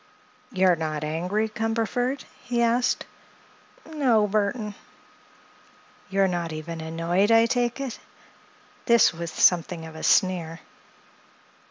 "You're not angry, Cumberford?" he asked. "No, Burthon." "You're not even annoyed, I take it?" This with something of a sneer.